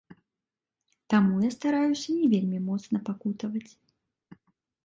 Таму я стараюся не вельмі моцна пакутаваць.